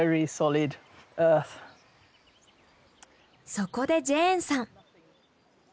そこでジェーンさん。